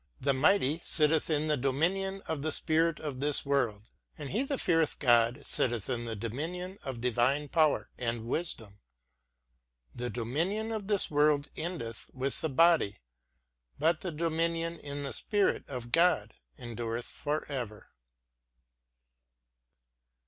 The mighty sitteth in the dominion of the spirit of this world, and he that feareth God sitteth in the dominion of divine power and wisdom. The dominion of this world endeth with the body, but the dominion in the Spirit of God endureth forever.